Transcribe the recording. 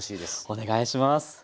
お願いします。